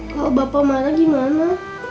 kalau bapak marah gimana